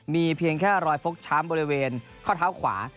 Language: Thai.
มีเพียงแค่รอยฟกช้ำบริเวณข้อเท้าขวา